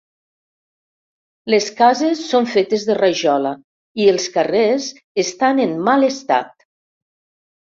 Les cases són fetes de rajola i els carrers estan en mal estat.